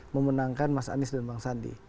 memenangkan mas anies dan bang sandi